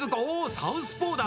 サウスポーだ！